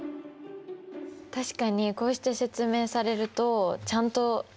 確かにこうして説明されるとちゃんと読めますね。